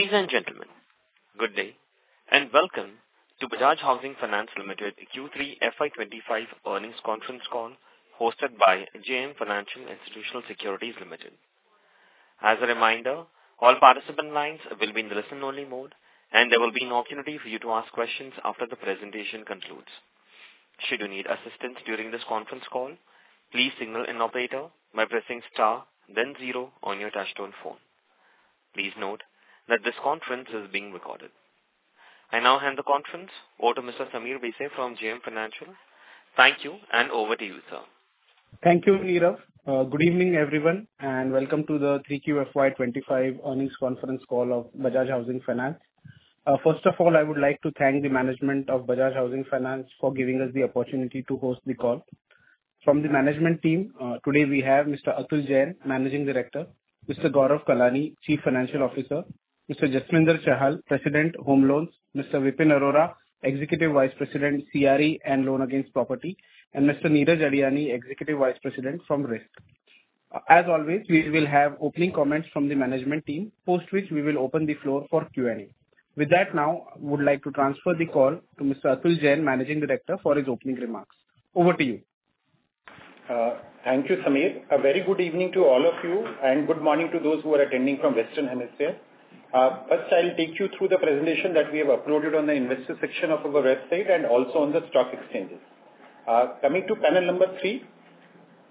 Ladies and gentlemen, good day and welcome to Bajaj Housing Finance Limited Q3 FY25 earnings conference call hosted by JM Financial Institutional Securities Limited. As a reminder, all participant lines will be in the listen-only mode, and there will be an opportunity for you to ask questions after the presentation concludes. Should you need assistance during this conference call, please signal an operator by pressing star, then zero on your touch-tone phone. Please note that this conference is being recorded. I now hand the conference over to Mr. Sameer Bhise from JM Financial. Thank you, and over to you, sir. Thank you, Nirav. Good evening, everyone, and welcome to the 3Q FY25 earnings conference call of Bajaj Housing Finance. First of all, I would like to thank the management of Bajaj Housing Finance for giving us the opportunity to host the call. From the management team, today we have Mr. Atul Jain, Managing Director, Mr. Gaurav Kalani, Chief Financial Officer, Mr. Jasminder Chahal, President, Home Loans, Mr. Vipin Arora, Executive Vice President, CRE and Loan Against Property, and Mr. Neeraj Adiani, Executive Vice President from Risk. As always, we will have opening comments from the management team, post which we will open the floor for Q&A. With that, now I would like to transfer the call to Mr. Atul Jain, Managing Director, for his opening remarks. Over to you. Thank you, Sameer. A very good evening to all of you, and good morning to those who are attending from Western Hemisphere. First, I'll take you through the presentation that we have uploaded on the investor section of our website and also on the stock exchanges. Coming to panel number three,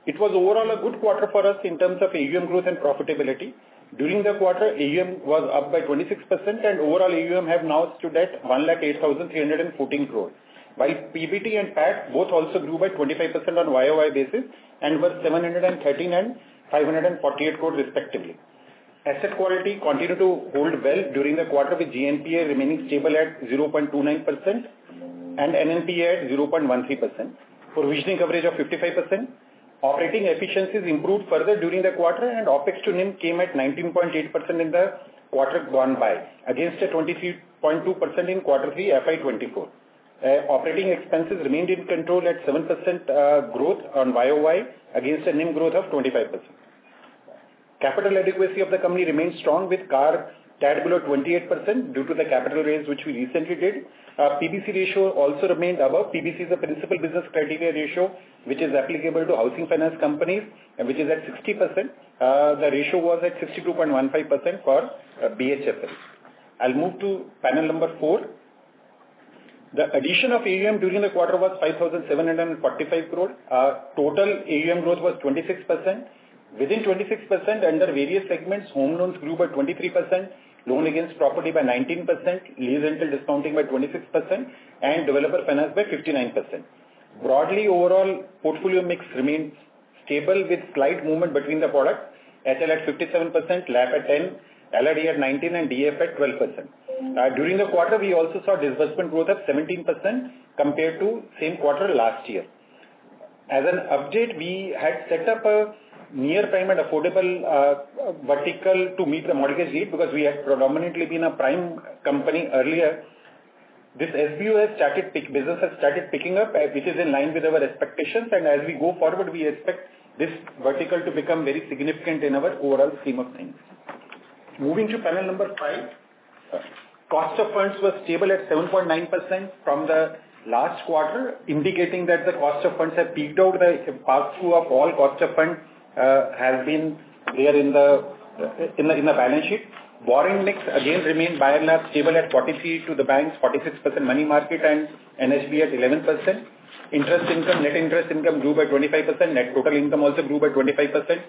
it was overall a good quarter for us in terms of AUM growth and profitability. During the quarter, AUM was up by 26%, and overall AUM has now stood at 108,314 crore, while PBT and PAT both also grew by 25% on YOY basis and were 713 crore and 548 crore, respectively. Asset quality continued to hold well during the quarter, with GNPA remaining stable at 0.29% and NNPA at 0.13%, provisioning coverage of 55%. Operating efficiencies improved further during the quarter, and OPEX to NIM came at 19.8% in the quarter gone by, against a 23.2% in quarter three FY24. Operating expenses remained in control at 7% growth on YOY, against a NIM growth of 25%. Capital adequacy of the company remained strong, with CAR tad below 28% due to the capital raise which we recently did. PBC ratio also remained above. PBC is a principal business criteria ratio, which is applicable to housing finance companies, and which is at 60%. The ratio was at 62.15% for BHFL. I'll move to panel number four. The addition of AUM during the quarter was 5,745 crore. Total AUM growth was 26%. Within 26%, under various segments, home loans grew by 23%, loan against property by 19%, lease rental discounting by 26%, and developer finance by 59%. Broadly, overall portfolio mix remained stable, with slight movement between the product HL at 57%, LAP at 10, LRD at 19, and DF at 12%. During the quarter, we also saw disbursement growth at 17% compared to the same quarter last year. As an update, we had set up a near-prime and affordable vertical to meet the mortgage need because we had predominantly been a prime company earlier. This SBU has started picking up, which is in line with our expectations, and as we go forward, we expect this vertical to become very significant in our overall scheme of things. Moving to panel number five, cost of funds was stable at 7.9% from the last quarter, indicating that the cost of funds have peaked out. The past two quarters overall cost of funds have been there in the balance sheet. Borrowing mix, again, remained by and large stable at 43% to the banks, 46% money market, and NHB at 11%. Interest income, net interest income grew by 25%. Net total income also grew by 25%.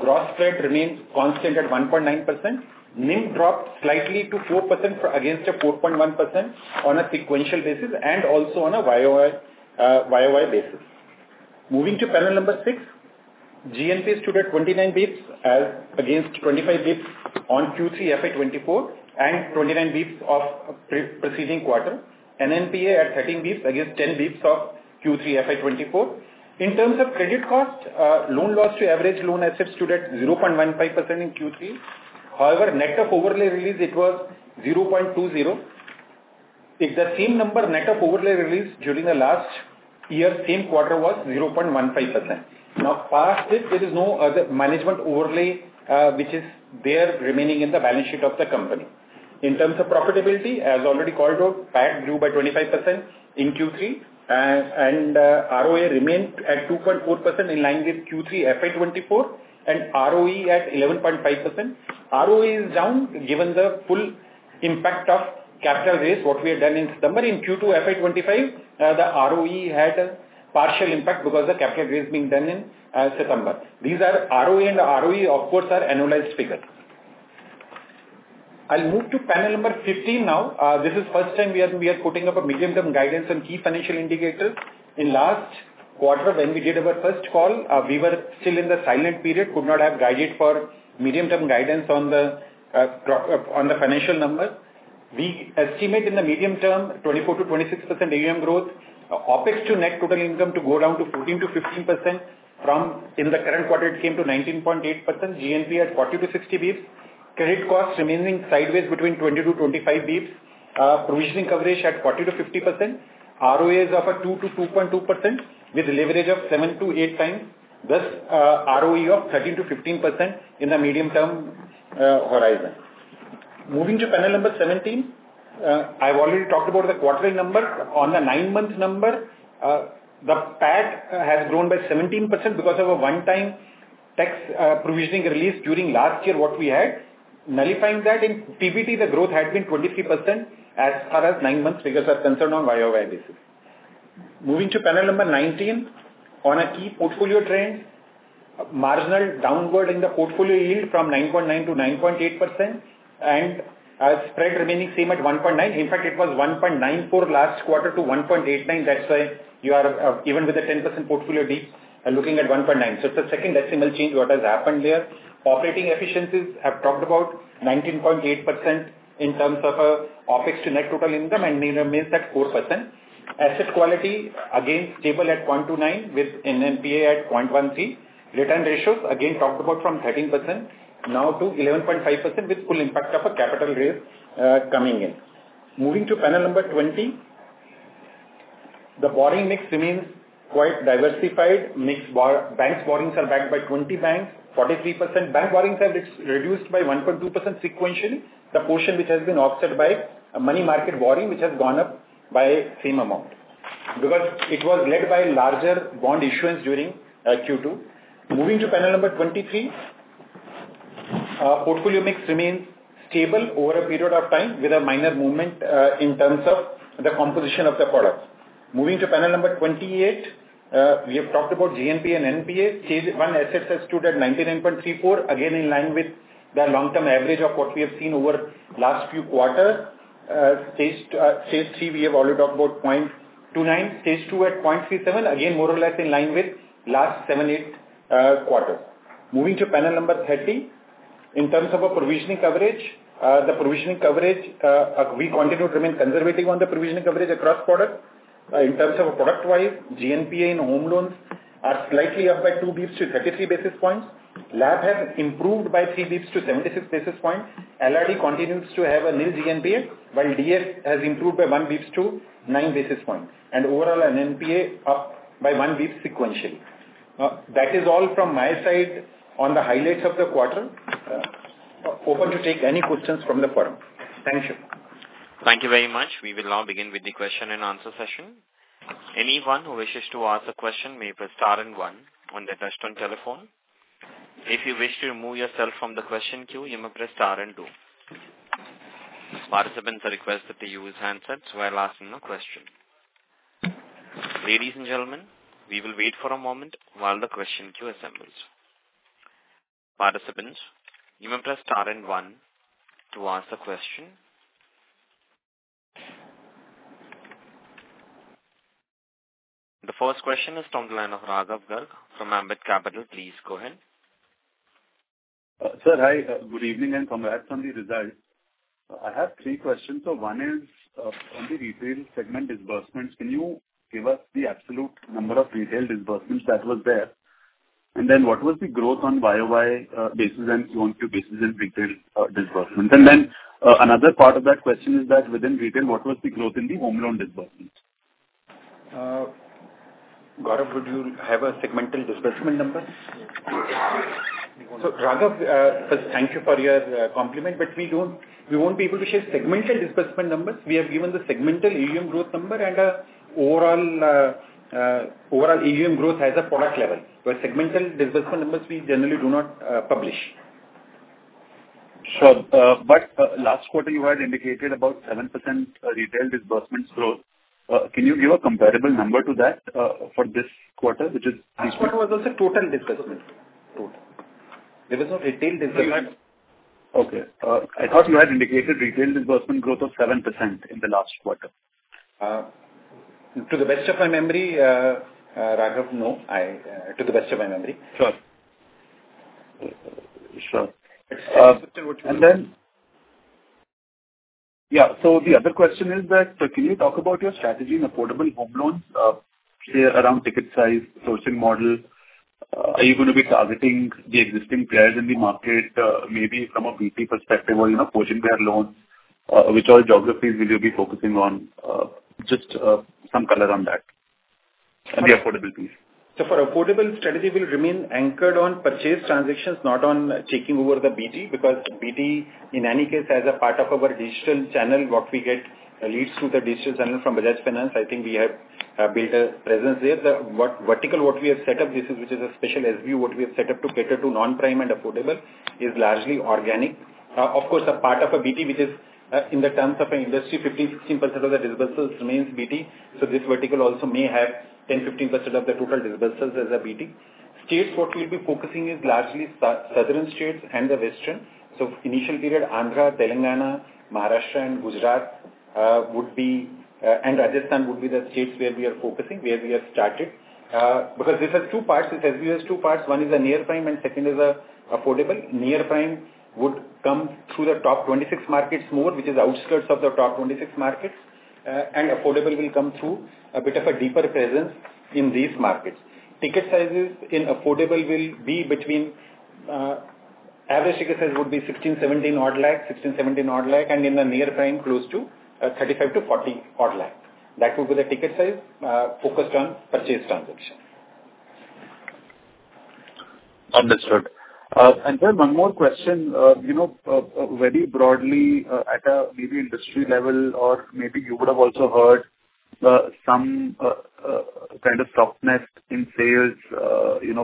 Gross spread remained constant at 1.9%. NIM dropped slightly to 4% against a 4.1% on a sequential basis and also on a YOY basis. Moving to panel number six, GNPA stood at 29 bps against 25 bps on Q3 FY24 and 29 bps of preceding quarter. NNPA at 13 bps against 10 bps of Q3 FY24. In terms of credit cost, loan loss to average loan assets stood at 0.15% in Q3. However, net of overlay release, it was 0.20%. It's the same number net of overlay release during the last year. Same quarter was 0.15%. Now, past it, there is no other management overlay which is there remaining in the balance sheet of the company. In terms of profitability, as already called out, PAT grew by 25% in Q3, and ROA remained at 2.4% in line with Q3 FY24 and ROE at 11.5%. ROE is down given the full impact of capital raise, what we had done in September. In Q2 FY25, the ROE had a partial impact because the capital raise being done in September. These ROE figures, of course, are annualized figures. I'll move to panel number 15 now. This is the first time we are putting up a medium-term guidance on key financial indicators. In last quarter, when we did our first call, we were still in the silent period, could not have guided for medium-term guidance on the financial numbers. We estimate in the medium term 24%-26% AUM growth. OPEX to net total income to go down to 14%-15%. From the current quarter, it came to 19.8%. GNPA at 40-60 bps. Credit cost remaining sideways between 20-25 bps. Provisioning coverage at 40%-50%. ROA of 2%-2.2% with leverage of 7-8 times. Thus, ROE of 13%-15% in the medium-term horizon. Moving to panel number 17, I've already talked about the quarterly numbers. On the nine-month number, the PAT has grown by 17% because of a one-time tax provisioning release during last year, what we had. Nullifying that in PBT, the growth had been 23% as far as nine-month figures are concerned on YOY basis. Moving to panel number 19, on a key portfolio trend, marginal downward in the portfolio yield from 9.9% to 9.8% and spread remaining same at 1.9%. In fact, it was 1.94% last quarter to 1.89%. That's why you are even with a 10% portfolio deep, looking at 1.9%. So it's a second decimal change what has happened there. Operating efficiencies have talked about 19.8% in terms of OPEX to net total income and remains at 4%. Asset quality, again, stable at 0.29% with NNPA at 0.13%. Return ratios, again, talked about from 13% now to 11.5% with full impact of a capital raise coming in. Moving to panel number 20, the borrowing mix remains quite diversified. Banks' borrowings are backed by 20 banks, 43%. Bank borrowings have reduced by 1.2% sequentially. The portion which has been offset by money market borrowing, which has gone up by the same amount because it was led by larger bond issuance during Q2. Moving to panel number 23, portfolio mix remains stable over a period of time with a minor movement in terms of the composition of the products. Moving to panel number 28, we have talked about GNPA and NPA. Stage 1 assets have stood at 99.34, again in line with the long-term average of what we have seen over the last few quarters. Stage 3, we have already talked about 0.29. Stage 2 at 0.37, again more or less in line with the last seven, eight quarters. Moving to panel number 30, in terms of provisioning coverage, the provisioning coverage, we continue to remain conservative on the provisioning coverage across products. In terms of product-wise, GNPA in home loans are slightly up by two bps to 33 basis points. LAP has improved by three bps to 76 basis points. LRD continues to have a Nil GNPA, while DF has improved by one beep to nine basis points, and overall, NNPA up by one beep sequentially. That is all from my side on the highlights of the quarter. Open to take any questions from the forum. Thank you. Thank you very much. We will now begin with the question and answer session. Anyone who wishes to ask a question may press star and one on the touch-tone telephone. If you wish to remove yourself from the question queue, you may press star and two. Participants are requested to use handsets while asking a question. Ladies and gentlemen, we will wait for a moment while the question queue assembles. Participants, you may press star and one to ask a question. The first question is from the line of Raghav Garg from Ambit Capital. Please go ahead. Sir, hi. Good evening and congrats on the results. I have three questions. So one is on the retail segment disbursements. Can you give us the absolute number of retail disbursements that were there? And then what was the growth on YOY basis and Q1, Q2 basis in retail disbursements? And then another part of that question is that within retail, what was the growth in the home loan disbursements? Gaurav, would you have a segmental disbursement number? So Raghav, first, thank you for your compliment, but we won't be able to share segmental disbursement numbers. We have given the segmental AUM growth number and overall AUM growth as a product level. But segmental disbursement numbers, we generally do not publish. Sure. But last quarter, you had indicated about 7% retail disbursements growth. Can you give a comparable number to that for this quarter, which is? This quarter was a total disbursement. There was no retail disbursement. Okay. I thought you had indicated retail disbursement growth of 7% in the last quarter. To the best of my memory, Raghav, no. To the best of my memory. The other question is, can you talk about your strategy in affordable home loans around ticket size, sourcing model? Are you going to be targeting the existing players in the market, maybe from a BT perspective or pushing their loans? Which all geographies will you be focusing on? Just some color on that and the affordability. For affordable strategy, we'll remain anchored on purchase transactions, not on taking over the BT because BT, in any case, as a part of our digital channel, what we get leads through the digital channel from Bajaj Finance. I think we have built a presence there. The vertical what we have set up, which is a special SBU, what we have set up to cater to non-prime and affordable, is largely organic. Of course, a part of a BT, which is in the terms of an industry, 15%, 16% of the disbursals remains BT. This vertical also may have 10%, 15% of the total disbursals as a BT. States, what we'll be focusing is largely southern states and the western. Initial period, Andhra, Telangana, Maharashtra, and Gujarat would be, and Rajasthan would be the states where we are focusing, where we have started. Because this has two parts. This SBU has two parts. One is a near prime and second is affordable. Near prime would come through the top 26 markets more, which is outskirts of the top 26 markets. And affordable will come through a bit of a deeper presence in these markets. Ticket sizes in affordable will be between average ticket size would be 16, 17 odd lakh, 16, 17 odd lakh, and in the near prime, close to 35 to 40 odd lakh. That would be the ticket size focused on purchase transaction. Understood, and sir, one more question. Very broadly, at a maybe industry level, or maybe you would have also heard some kind of softness in sales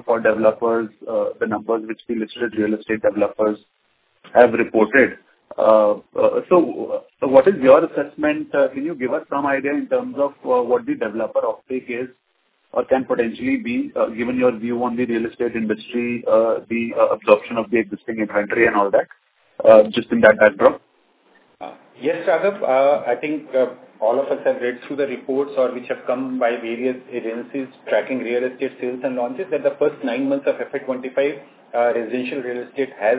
for developers, the numbers which we listed real estate developers have reported, so what is your assessment? Can you give us some idea in terms of what the developer uptake is or can potentially be, given your view on the real estate industry, the absorption of the existing inventory and all that, just in that backdrop? Yes, Raghav. I think all of us have read through the reports or which have come by various agencies tracking real estate sales and launches that the first nine months of FY25, residential real estate has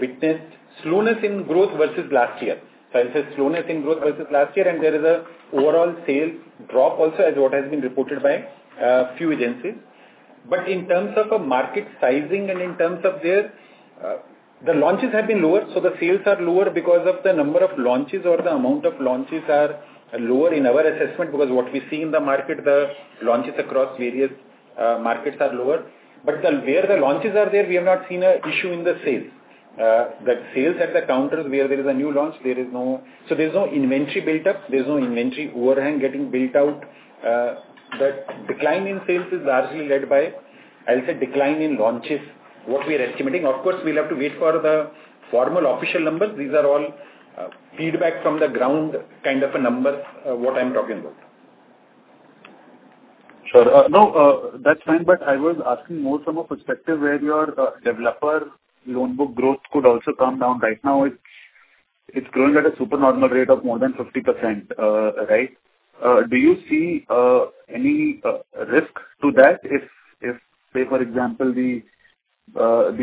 witnessed slowness in growth versus last year. So I'll say slowness in growth versus last year, and there is an overall sales drop also as what has been reported by a few agencies. But in terms of market sizing and in terms of there, the launches have been lower. So the sales are lower because of the number of launches or the amount of launches are lower in our assessment because what we see in the market, the launches across various markets are lower. But where the launches are there, we have not seen an issue in the sales. The sales at the counters where there is a new launch, there is no, so there's no inventory built up. There's no inventory overhang getting built out. The decline in sales is largely led by, I'll say, decline in launches, what we are estimating. Of course, we'll have to wait for the formal official numbers. These are all feedback from the ground kind of numbers, what I'm talking about. Sure. No, that's fine. But I was asking more from a perspective where your developer loan book growth could also come down. Right now, it's growing at a supernormal rate of more than 50%, right? Do you see any risk to that if, say, for example, the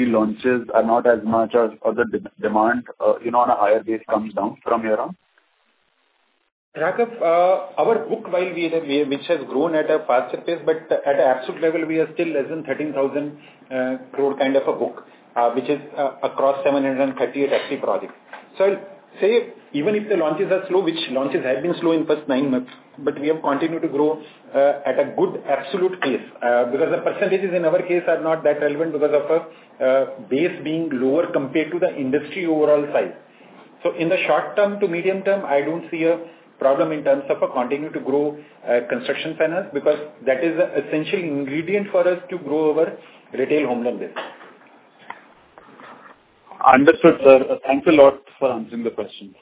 launches are not as much as other demand on a higher base comes down from here on? Raghav, our book, which has grown at a faster pace, but at an absolute level, we are still less than 13,000 crore kind of a book, which is across 738 active projects. So I'll say, even if the launches are slow, which launches have been slow in the first nine months, but we have continued to grow at a good absolute pace because the percentages in our case are not that relevant because of a base being lower compared to the industry overall size. So in the short term to medium term, I don't see a problem in terms of a continued to grow construction finance because that is an essential ingredient for us to grow our retail home loan base. Understood, sir. Thanks a lot for answering the question.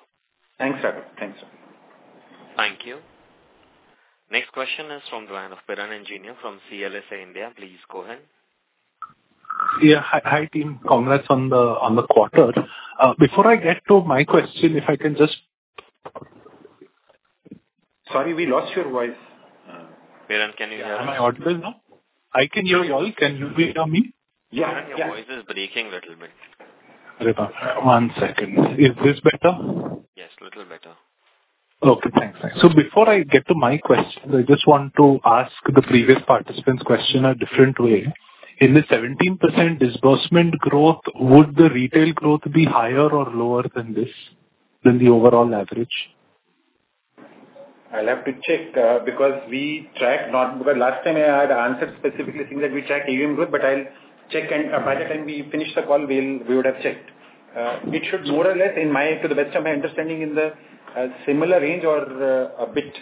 Thanks, Raghav. Thanks, sir. Thank you. Next question is from the line of Piran Engineer from CLSA India. Please go ahead. Yeah. Hi, team. Congrats on the quarter. Before I get to my question, if I can just. Sorry, we lost your voice. Piran, can you hear us? Am I audible now? I can hear you all. Can you hear me? Yeah. Your voice is breaking a little bit. One second. Is this better? Yes, a little better. Okay. Thanks. So before I get to my question, I just want to ask the previous participant's question a different way. In the 17% disbursement growth, would the retail growth be higher or lower than the overall average? I'll have to check because we track not because last time I had answered specifically saying that we track AUM growth, but I'll check, and by the time we finish the call, we would have checked. It should more or less, to the best of my understanding, in the similar range or a bit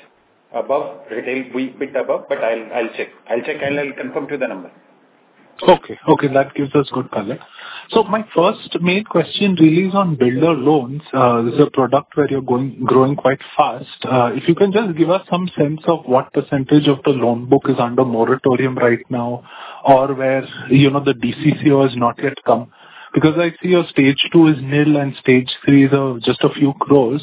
above retail, a bit above, but I'll check. I'll check and I'll confirm to the number. Okay. Okay. That gives us good color. So my first main question really is on builder loans. This is a product where you're growing quite fast. If you can just give us some sense of what percentage of the loan book is under moratorium right now or where the DCCO has not yet come because I see your Stage 2 is NIL and Stage 3 is just a few crores.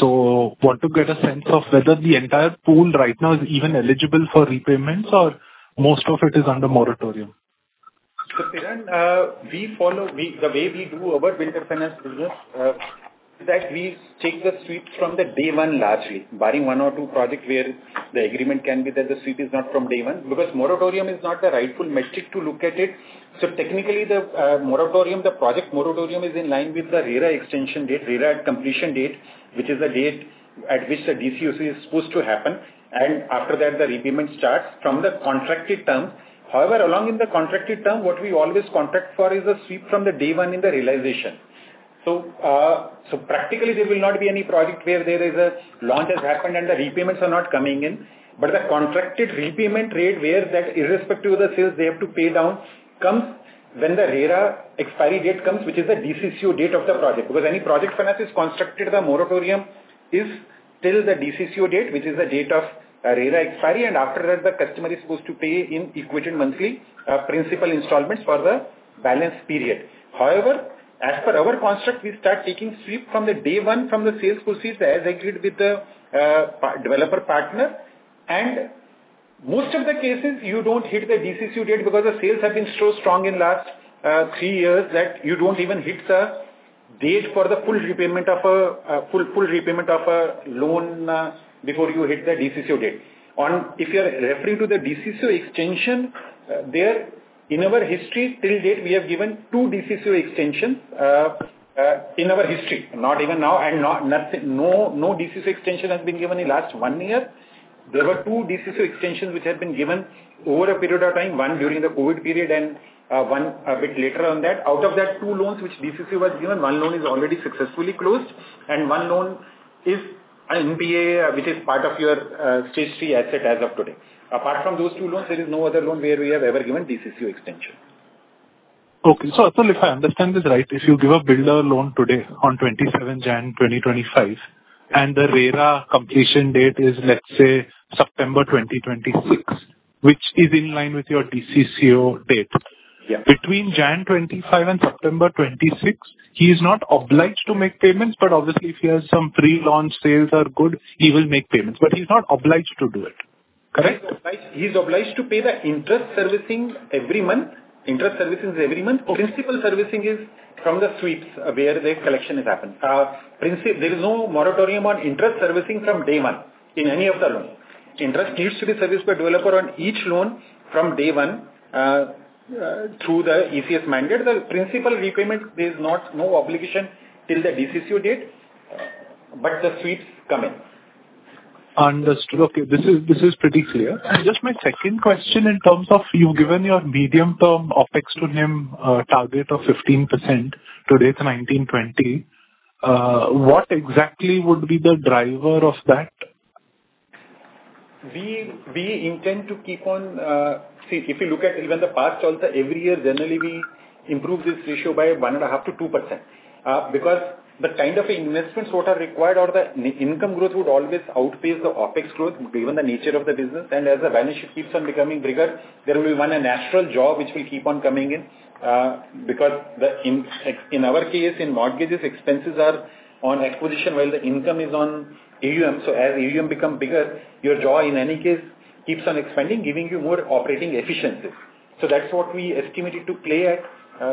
So want to get a sense of whether the entire pool right now is even eligible for repayments or most of it is under moratorium. So Piran, the way we do our builder finance business is that we take the sweeps from the day one largely, barring one or two projects where the agreement can be that the sweep is not from day one because moratorium is not the rightful metric to look at it. So technically, the moratorium, the project moratorium is in line with the RERA extension date, RERA completion date, which is the date at which the DCCO is supposed to happen. And after that, the repayment starts from the contracted term. However, along in the contracted term, what we always contract for is a sweep from the day one in the realization. So practically, there will not be any project where there is a launch has happened and the repayments are not coming in. But the contracted repayment rate, where that irrespective of the sales they have to pay down, comes when the RERA expiry date comes, which is the DCCO date of the project. Because any project finance is constructed, the moratorium is till the DCCO date, which is the date of RERA expiry. And after that, the customer is supposed to pay in equivalent monthly principal installments for the balance period. However, as per our construct, we start taking sweep from the day one from the sales proceeds as agreed with the developer partner. And most of the cases, you don't hit the DCCO date because the sales have been so strong in the last three years that you don't even hit the date for the full repayment of a loan before you hit the DCCO date. If you're referring to the DCCO extension, in our history to date, we have given two DCCO extensions in our history. Not even now, and no DCCO extension has been given in the last one year. There were two DCCO extensions which have been given over a period of time, one during the COVID period and one a bit later on that. Out of that two loans which DCCO was given, one loan is already successfully closed and one loan is NPA, which is part of your Stage 3 asset as of today. Apart from those two loans, there is no other loan where we have ever given DCCO extension. Okay. So if I understand this right, if you give a builder loan today on 27 January 2025 and the RERA completion date is, let's say, September 2026, which is in line with your DCCO date, between January 2025 and September 2026, he is not obliged to make payments, but obviously, if he has some pre-launch sales are good, he will make payments. But he's not obliged to do it. Correct? He's obliged to pay the interest servicing every month. Interest servicing is every month. Principal servicing is from the sweeps where the collection has happened. There is no moratorium on interest servicing from day one in any of the loans. Interest needs to be serviced by developer on each loan from day one through the ECS mandate. The principal repayment, there is no obligation till the DCCO date, but the sweeps come in. Understood. Okay, this is pretty clear, and just my second question in terms of you've given your medium-term OpEx to NIM target of 15% to 19-20%. What exactly would be the driver of that? We intend to keep on seeing. If you look at even the past, also every year, generally, we improve this ratio by 1.5%-2% because the kind of investments what are required or the income growth would always outpace the OpEx growth given the nature of the business, and as the balance sheet keeps on becoming bigger. There will be one natural jaw which will keep on coming in because in our case, in mortgages, expenses are on acquisition while the income is on AUM, so as AUM becomes bigger. Your jaw in any case keeps on expanding, giving you more operating efficiency, so that's what we estimated to play at,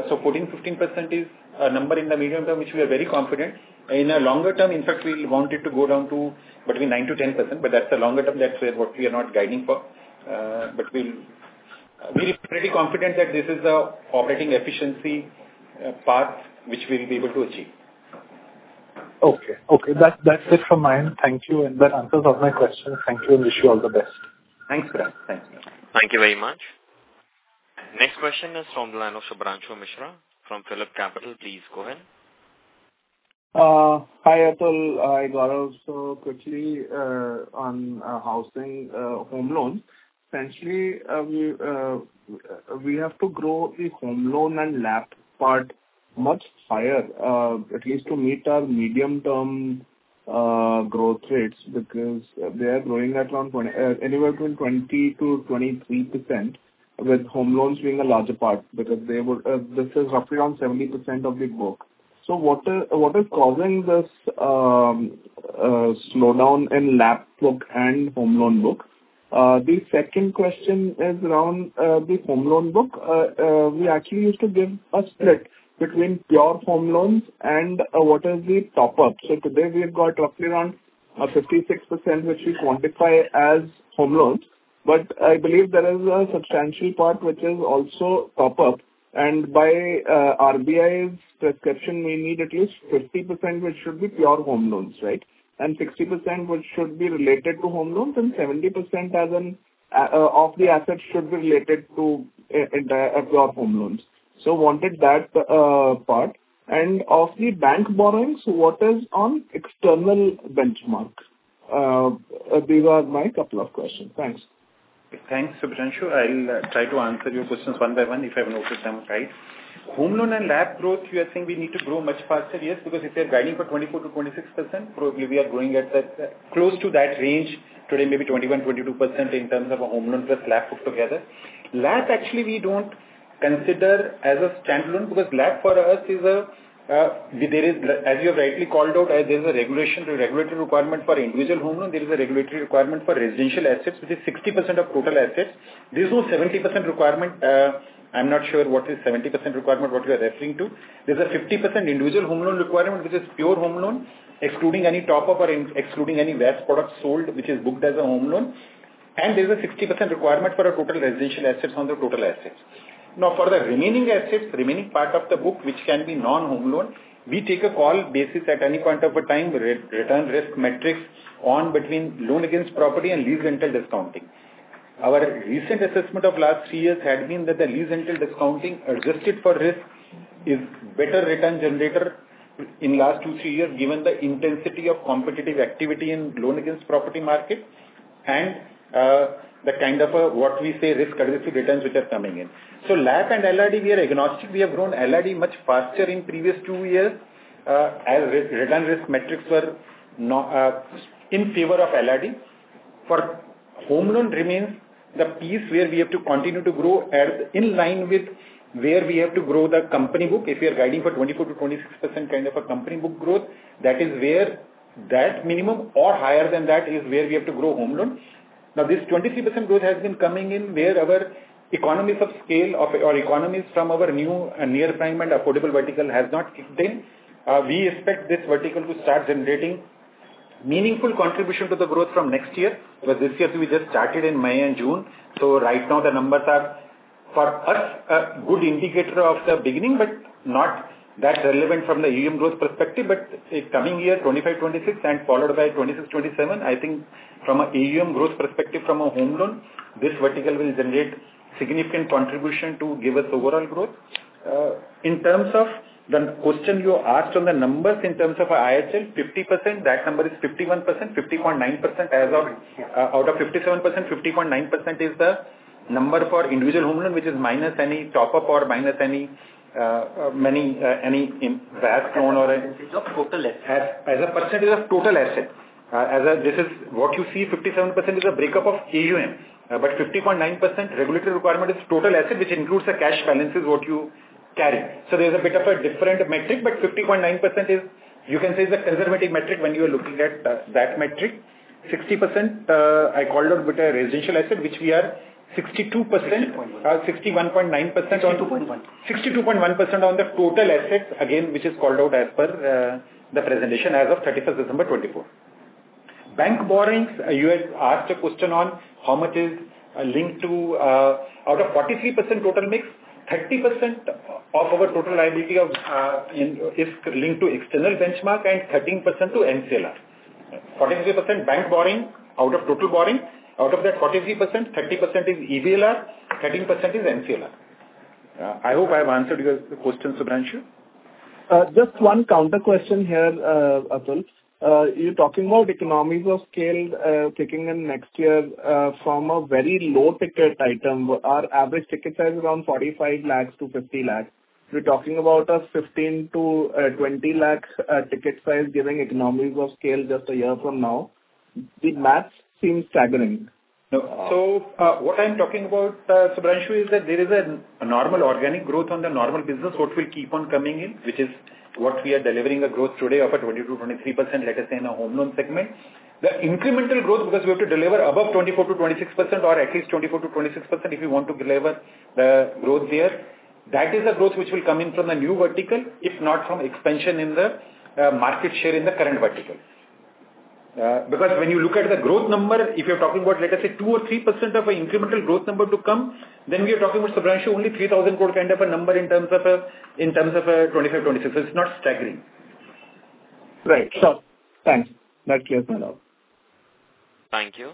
so 14%-15% is a number in the medium term, which we are very confident. In a longer term, in fact, we want it to go down to between 9% to 10%, but that's the longer term. That's what we are not guiding for. But we're pretty confident that this is the operating efficiency path which we'll be able to achieve. Okay. Okay. That's it from my end. Thank you. And that answers all my questions. Thank you, and wish you all the best. Thanks, Piran. Thanks. Thank you very much. Next question is from the line of Subhranshu Mishra from PhillipCapital. Please go ahead. Hi, Atul. I'd also quickly on housing home loans. Essentially, we have to grow the home loan and lap part much higher, at least to meet our medium-term growth rates because they are growing at around anywhere between 20%-23% with home loans being a larger part because this is roughly around 70% of the book, so what is causing this slowdown in lap book and home loan book? The second question is around the home loan book. We actually used to give a split between pure home loans and what is the top-up, so today, we have got roughly around 56%, which we quantify as home loans. But I believe there is a substantial part which is also top-up, and by RBI's prescription, we need at least 50%, which should be pure home loans, right? 60%, which should be related to home loans, and 70% of the assets should be related to pure home loans. So wanted that part. Of the bank borrowings, what is on external benchmark? These are my couple of questions. Thanks. Thanks, Subhranshu Mishra. I'll try to answer your questions one by one if I've noticed them right. Home loan and lap growth, you are saying we need to grow much faster, yes, because if we are guiding for 24%-26%, probably we are growing close to that range today, maybe 21%-22% in terms of a home loan plus lap book together. Lap, actually, we don't consider as a standalone because lap for us is a, as you have rightly called out, there's a regulatory requirement for individual home loan. There is a regulatory requirement for residential assets, which is 60% of total assets. There's no 70% requirement. I'm not sure what is 70% requirement, what you are referring to. There's a 50% individual home loan requirement, which is pure home loan, excluding any top-up or excluding any VAT product sold, which is booked as a home loan. And there's a 60% requirement for a total residential assets on the total assets. Now, for the remaining assets, remaining part of the book, which can be non-home loan, we take a call basis at any point of a time, return risk metrics on between loan against property and lease rental discounting. Our recent assessment of last three years had been that the lease rental discounting adjusted for risk is better return generator in the last two, three years given the intensity of competitive activity in loan against property market and the kind of what we say risk adjusted returns which are coming in. So LAP and LRD, we are agnostic. We have grown LRD much faster in previous two years as return risk metrics were in favor of LRD. For home loans, it remains the piece where we have to continue to grow in line with where we have to grow the company book. If you are guiding for 24%-26% kind of a company book growth, that is where that minimum or higher than that is where we have to grow home loans. Now, this 23% growth has been coming in where our economies of scale or economies from our new near-prime and affordable vertical has not kicked in. We expect this vertical to start generating meaningful contribution to the growth from next year because this year we just started in May and June. So right now, the numbers are for us a good indicator of the beginning, but not that relevant from the AUM growth perspective. But coming year, 25, 26, and followed by 26, 27, I think from an AUM growth perspective from a home loan, this vertical will generate significant contribution to give us overall growth. In terms of the question you asked on the numbers in terms of IHL, 50%, that number is 51%, 50.9% out of 57%, 50.9% is the number for individual home loan, which is minus any top-up or minus any VAT loan or percentage of total assets. As a percentage of total assets, this is what you see. 57% is a breakup of AUM, but 50.9% regulatory requirement is total assets, which includes the cash balances that you carry. So there's a bit of a different metric, but 50.9% is, you can say, the conservative metric when you are looking at that metric. 60%, I called out with the residential assets, which we are 62%, 61.9%. 62.1. 62.1% on the total assets, again, which is called out as per the presentation as of 31st December 2024. Bank borrowings, you had asked a question on how much is linked to out of 43% total mix, 30% of our total liability is linked to external benchmark and 13% to MCLR. 43% bank borrowing out of total borrowing. Out of that 43%, 30% is EBLR, 13% is MCLR. I hope I've answered your question, Subhranshu. Just one counter question here, Atul. You're talking about economies of scale taking in next year from a very low ticket item. Our average ticket size is around 45 lakhs-50 lakhs. We're talking about a 15-20 lakh ticket size given economies of scale just a year from now. The math seems staggering. So what I'm talking about, Subhranshu, is that there is a normal organic growth on the normal business, what will keep on coming in, which is what we are delivering a growth today of 22-23%, let us say, in the home loan segment. The incremental growth, because we have to deliver above 24%-26% or at least 24%-26% if you want to deliver the growth there, that is a growth which will come in from the new vertical, if not from expansion in the market share in the current vertical. Because when you look at the growth number, if you're talking about, let us say, 2% or 3% of an incremental growth number to come, then we are talking about, Subhranshu Mishra, only 3,000 crore kind of a number in terms of 25-26, so it's not staggering. Right. Thanks. That clears my thought. Thank you.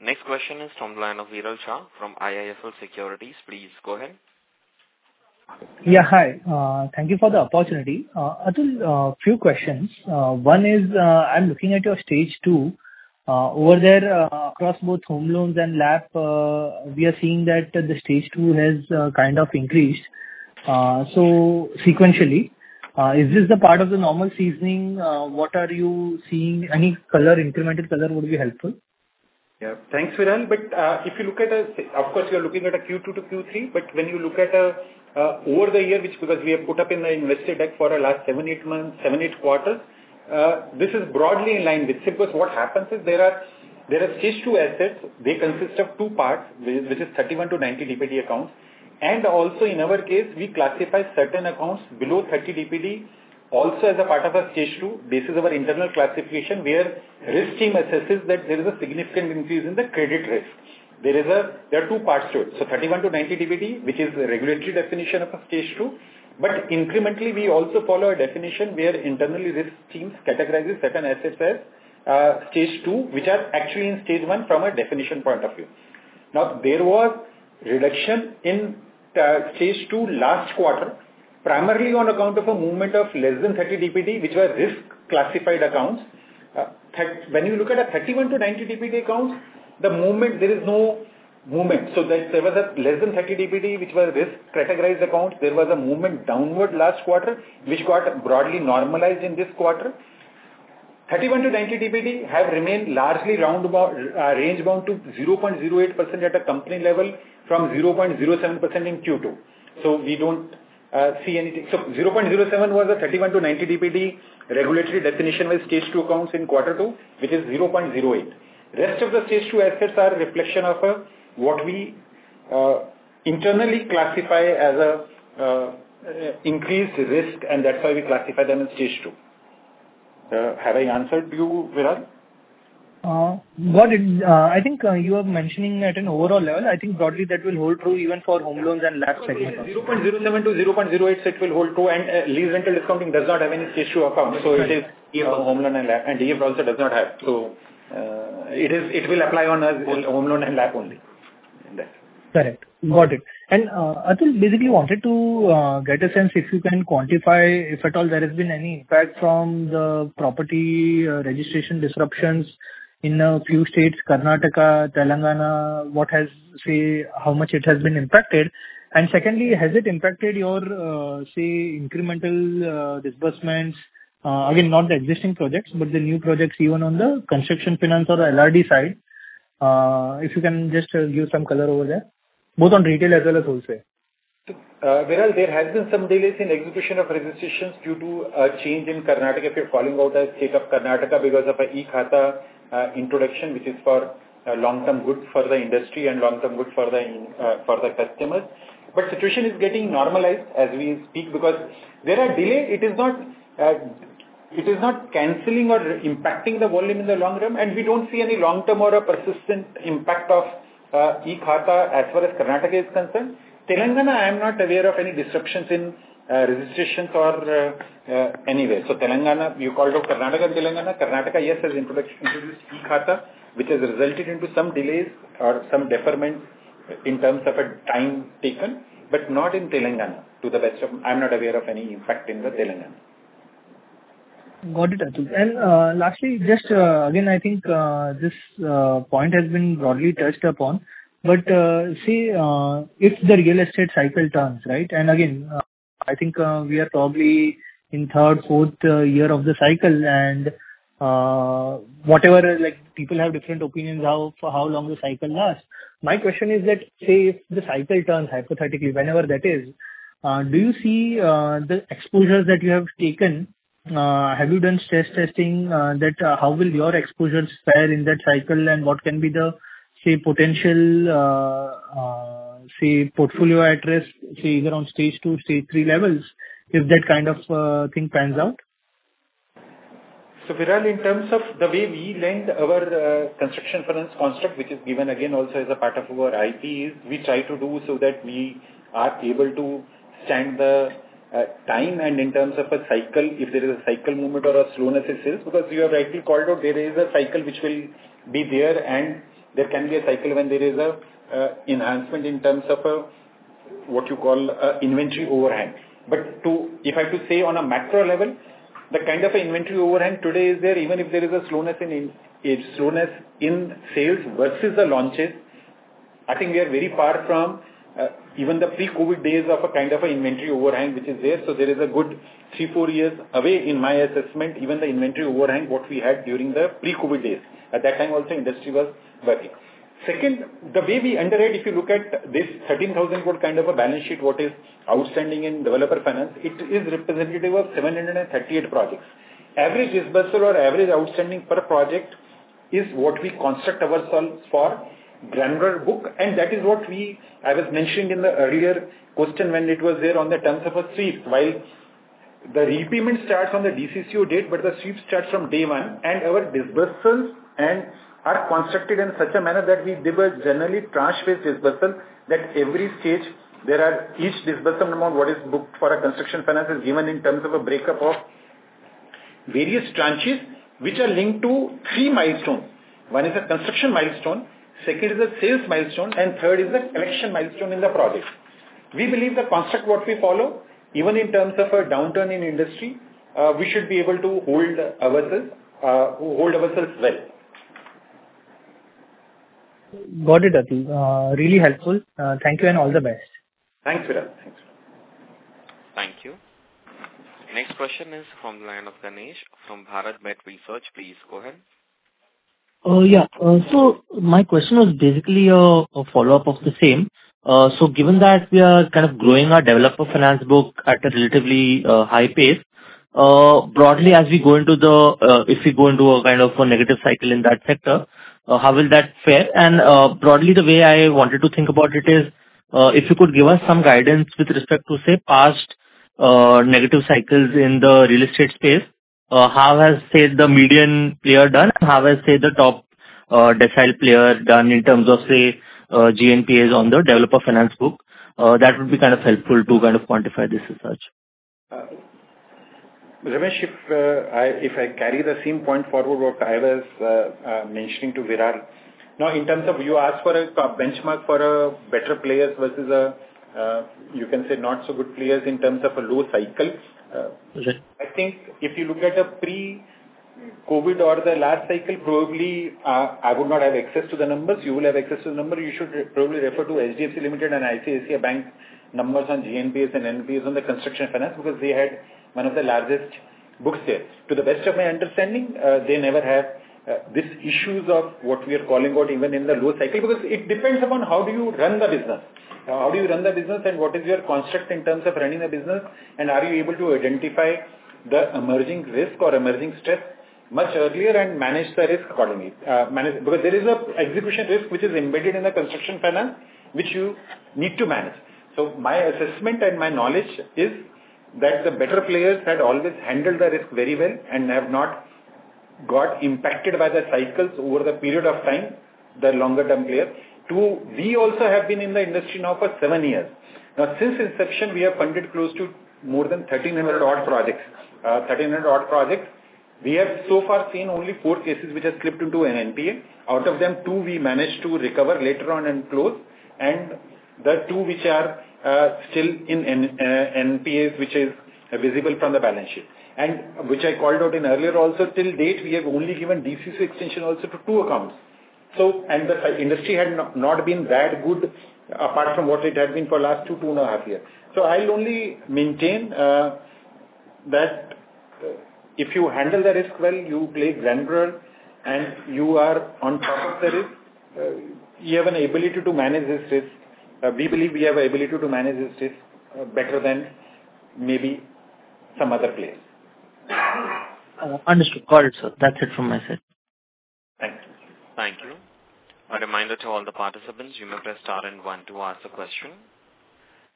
Next question is from the line of Viral Shah from IIFL Securities. Please go ahead. Yeah, hi. Thank you for the opportunity. Atul, a few questions. One is I'm looking at your stage two. Over there, across both home loans and LAP, we are seeing that the stage two has kind of increased. So sequentially, is this the part of the normal seasoning? What are you seeing? Any color, incremental color would be helpful. Yeah. Thanks, Viral, but if you look at a, of course, you're looking at a Q2 to Q3, but when you look at over the year, which, because we have put up in the investor deck for the last seven, eight months, seven, eight quarters, this is broadly in line with it. Because what happens is there are stage two assets. They consist of two parts, which is 31 to 90 DPD accounts. And also in our case, we classify certain accounts below 30 DPD also as a part of a stage two. This is our internal classification where risk team assesses that there is a significant increase in the credit risk. There are two parts to it, so 31 to 90 DPD, which is the regulatory definition of a stage two. But incrementally, we also follow a definition where internal risk team categorizes certain assets as stage two, which are actually in stage one from a definition point of view. Now, there was reduction in stage two last quarter, primarily on account of a movement of less than 30 DPD, which were risk classified accounts. When you look at a 31-90 DPD account, the movement, there is no movement. So there was a less than 30 DPD, which were risk categorized accounts. There was a movement downward last quarter, which got broadly normalized in this quarter. 31-90 DPD have remained largely range bound to 0.08% at a company level from 0.07% in Q2. So we don't see anything. So 0.07 was a 31-90 DPD regulatory definition with stage two accounts in quarter two, which is 0.08. Rest of the stage two assets are a reflection of what we internally classify as an increased risk, and that's why we classify them as stage two. Have I answered you, Viral? I think you are mentioning at an overall level. I think broadly that will hold true even for home loans and LAP segment. 0.07-0.08, it will hold true. And lease rental discounting does not have any stage two accounts. So it is home loan and lap. And DF also does not have. So it will apply on home loan and lap only. Correct. Got it. And Atul basically wanted to get a sense if you can quantify if at all there has been any impact from the property registration disruptions in a few states, Karnataka, Telangana, what has, say, how much it has been impacted. And secondly, has it impacted your, say, incremental disbursements? Again, not the existing projects, but the new projects, even on the construction finance or LRD side, if you can just give some color over there, both on retail as well as wholesale. Viral, there has been some delays in execution of registrations due to a change in Karnataka. If you're calling out a state of Karnataka because of an e-Khata introduction, which is for long-term goods for the industry and long-term goods for the customers. The situation is getting normalized as we speak because there are delays. It is not canceling or impacting the volume in the long term, and we don't see any long-term or a persistent impact of e-Khata as far as Karnataka is concerned. Telangana, I am not aware of any disruptions in registrations or anywhere. Telangana, you called out Karnataka and Telangana. Karnataka, yes, has introduced e-Khata, which has resulted in some delays or some deferments in terms of a time taken, but not in Telangana. To the best of, I'm not aware of any impact in the Telangana. Got it, Atul. And lastly, just again, I think this point has been broadly touched upon. But see, if the real estate cycle turns, right? And again, I think we are probably in third, fourth year of the cycle. And whatever, people have different opinions for how long the cycle lasts. My question is that, say, if the cycle turns hypothetically, whenever that is, do you see the exposures that you have taken? Have you done stress testing? How will your exposures fare in that cycle? And what can be the, say, potential, say, portfolio at risk, say, either on stage two, stage three levels if that kind of thing pans out? So, Viral, in terms of the way we lend our construction finance construct, which is given again also as a part of our IP, we try to do so that we are able to stand the time. And in terms of a cycle, if there is a cycle movement or a slowness it says, because you have rightly called out, there is a cycle which will be there, and there can be a cycle when there is an enhancement in terms of what you call inventory overhang. But if I have to say on a macro level, the kind of inventory overhang today is there, even if there is a slowness in sales versus the launches, I think we are very far from even the pre-COVID days of a kind of inventory overhang, which is there. So there is a good three, four years away in my assessment, even the inventory overhang what we had during the pre-COVID days. At that time, also industry was working. Second, the way we underwrite, if you look at this 13,000 crore kind of a balance sheet, what is outstanding in developer finance, it is representative of 738 projects. Average disbursal or average outstanding per project is what we construct ourselves for granular book. And that is what we, I was mentioning in the earlier question when it was there on the terms of a sweep. While the repayment starts on the DCCO date, but the sweep starts from day one. Our disbursals are constructed in such a manner that we give a generally tranche-based disbursal that every stage, there are each disbursal amount what is booked for a construction finance is given in terms of a breakup of various tranches, which are linked to three milestones. One is a construction milestone, second is a sales milestone, and third is a collection milestone in the project. We believe the construct what we follow, even in terms of a downturn in industry, we should be able to hold ourselves well. Got it, Atul. Really helpful. Thank you and all the best. Thanks, Viral. Thanks. Thank you. Next question is from the line of Ganesh from Bharat Bet Research. Please go ahead. Yeah. So my question was basically a follow-up of the same. So given that we are kind of growing our developer finance book at a relatively high pace, broadly, as we go into the, if we go into a kind of negative cycle in that sector, how will that fare? And broadly, the way I wanted to think about it is if you could give us some guidance with respect to, say, past negative cycles in the real estate space, how has, say, the median player done? How has, say, the top decile player done in terms of, say, GNPAs on the developer finance book? That would be kind of helpful to kind of quantify this research. Ramesh, if I carry the same point forward what I was mentioning to Viral. Now, in terms of you asked for a benchmark for better players versus a, you can say, not so good players in terms of a low cycle. I think if you look at a pre-COVID or the last cycle, probably I would not have access to the numbers. You will have access to the numbers. You should probably refer to HDFC Limited and ICICI Bank numbers on GNPAs and NPAs on the construction finance because they had one of the largest books there. To the best of my understanding, they never have these issues of what we are calling out even in the low cycle because it depends upon how do you run the business. How do you run the business and what is your construct in terms of running the business? Are you able to identify the emerging risk or emerging stress much earlier and manage the risk accordingly? Because there is an execution risk which is embedded in the construction finance, which you need to manage. So my assessment and my knowledge is that the better players had always handled the risk very well and have not got impacted by the cycles over the period of time, the longer-term players. We also have been in the industry now for seven years. Now, since inception, we have funded close to more than 1,300 odd projects. 1,300 odd projects. We have so far seen only four cases which have slipped into an NPA. Out of them, two we managed to recover later on and close. And the two which are still in NPAs, which is visible from the balance sheet. And, which I called out earlier also, to date, we have only given DCCO extension also to two accounts. And the industry had not been that good apart from what it had been for the last two, two and a half years. So I'll only maintain that if you handle the risk well, you play granular, and you are on top of the risk, you have an ability to manage this risk. We believe we have an ability to manage this risk better than maybe some other players. Understood. Got it, sir. That's it from my side. Thank you. Thank you. A reminder to all the participants, you may press star and one to ask a question.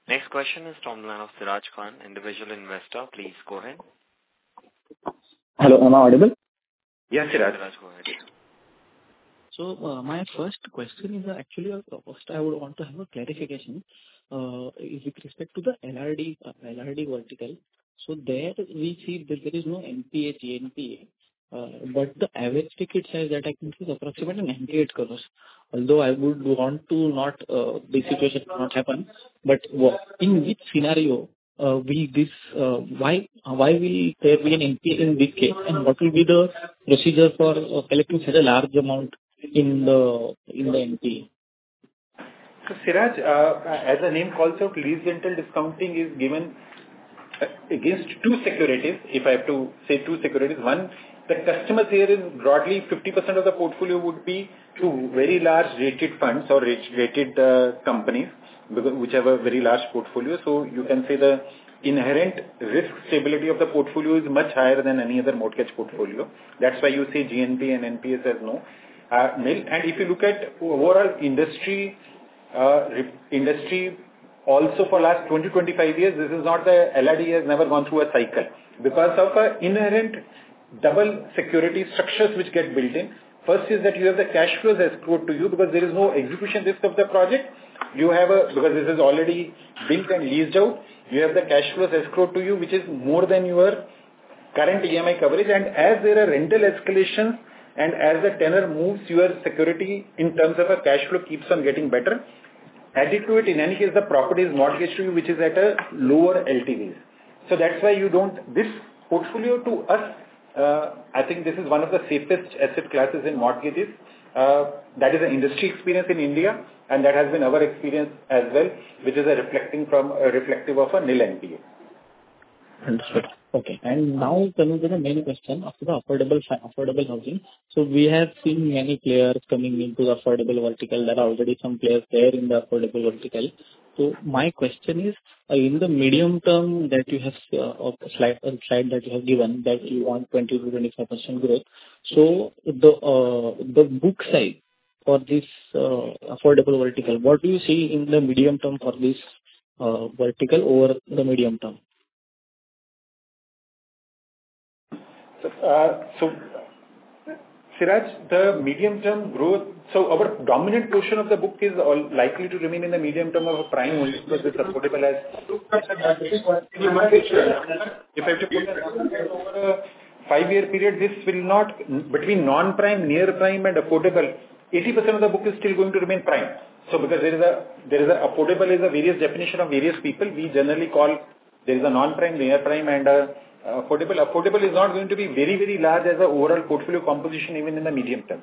Next question is from the line of Siraj Khan, individual investor. Please go ahead. Hello. Am I audible? Yes, Siraj. Siraj, go ahead. So my first question is actually a first. I would want to have a clarification with respect to the LRD vertical. So there we see that there is no NPA, GNPA, but the average ticket size that I can see is approximately INR 98 crores. Although I would not want this situation to happen, but in which scenario will there be an NPA in this case? And what will be the procedure for collecting such a large amount in the NPA? So, Siraj, as the name calls out, lease rental discounting is given against two securities. If I have to say two securities, one, the customers here in broadly 50% of the portfolio would be to very large rated funds or rated companies which have a very large portfolio. So you can say the inherent risk stability of the portfolio is much higher than any other mortgage portfolio. That's why you see GNPA and NPAs as nil. And if you look at overall industry, also for the last 20-25 years, this is not the LRD has never gone through a cycle. Because of the inherent double security structures which get built in, first is that you have the cash flows escrowed to you because there is no execution risk of the project. You have, because this is already built and leased out, you have the cash flows escrowed to you, which is more than your current EMI coverage, and as there are rental escalations and as the tenor moves, your security in terms of a cash flow keeps on getting better. Added to it, in any case, the property is mortgaged to you, which is at a lower LTVs. So that's why you want this portfolio to us, I think this is one of the safest asset classes in mortgages. That is an industry experience in India, and that has been our experience as well, which is reflective of a nil NPA. Understood. Okay. And now, to the the main question for the affordable housing. So we have seen many players coming into the affordable vertical. There are already some players there in the affordable vertical. So my question is, in the medium term, the slide that you have given that you want 20%-25% growth, so the book size for this affordable vertical, what do you see in the medium term for this vertical over the medium term? So, Siraj, the medium term growth. So our dominant portion of the book is likely to remain in the medium term of a prime only because it's affordable. As if I have to put it over a five-year period, this will be between non-prime, near prime, and affordable. 80% of the book is still going to remain prime. So because there is an affordable. It is a various definition of various people. We generally call it non-prime, near prime, and affordable. Affordable is not going to be very, very large as an overall portfolio composition even in the medium term.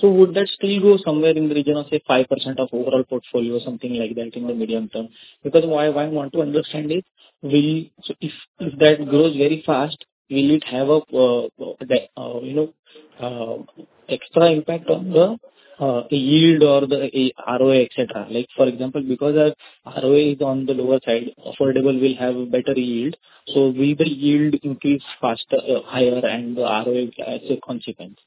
So would that still go somewhere in the region of, say, 5% of overall portfolio or something like that in the medium term? Because why I want to understand is, if that grows very fast, will it have an extra impact on the yield or the ROA, etc.? Like for example, because ROA is on the lower side, affordable will have a better yield. So will the yield increase faster, higher, and the ROA as a consequence?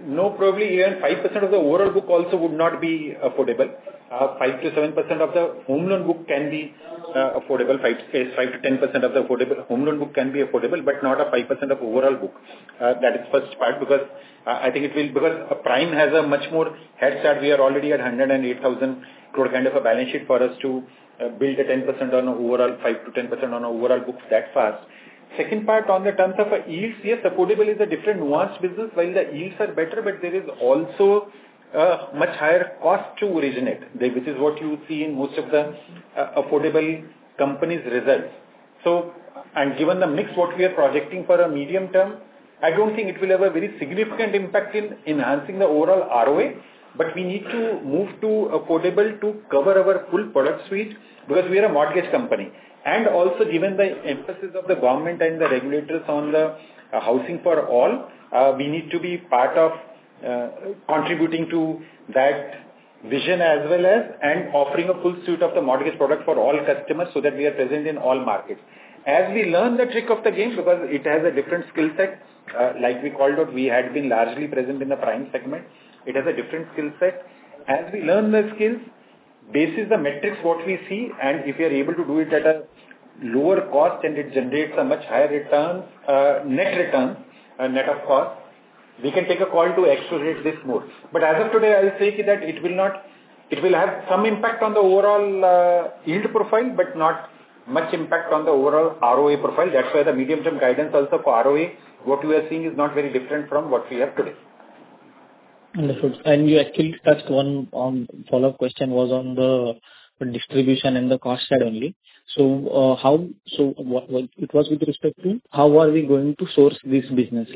No, probably even 5% of the overall book also would not be affordable. 5%-7% of the home loan book can be affordable. 5%-10% of the affordable home loan book can be affordable, but not 5% of overall book. That is the first part because I think it will because prime has a much more head start. We are already at 108,000 crore kind of a balance sheet for us to build a 10% on an overall, 5%-10% on an overall book that fast. Second part, on the terms of yields, yes, affordable is a different nuanced business, while the yields are better, but there is also a much higher cost to originate, which is what you see in most of the affordable companies' results. Given the mix what we are projecting for a medium term, I don't think it will have a very significant impact in enhancing the overall ROA, but we need to move to affordable to cover our full product suite because we are a mortgage company. Also given the emphasis of the government and the regulators on the housing for all, we need to be part of contributing to that vision as well as offering a full suite of the mortgage product for all customers so that we are present in all markets. As we learn the trick of the game because it has a different skill set, like we called out, we had been largely present in the prime segment. It has a different skill set. As we learn the skills, basis the metrics what we see, and if we are able to do it at a lower cost and it generates a much higher return, net return, net of cost, we can take a call to accelerate this more, but as of today, I'll say that it will have some impact on the overall yield profile, but not much impact on the overall ROA profile. That's why the medium-term guidance also for ROA, what we are seeing is not very different from what we have today. Understood. And you actually touched one follow-up question was on the distribution and the cost side only. So it was with respect to how are we going to source this business?